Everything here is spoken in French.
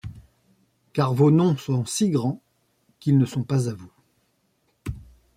Car vos noms sont si grands qu'ils ne sont pas à vous !